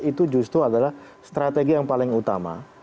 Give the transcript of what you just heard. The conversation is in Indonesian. itu justru adalah strategi yang paling utama